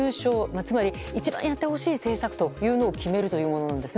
つまり一番やってほしい政策を決めるというものですね。